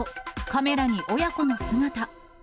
カメラに親子の姿。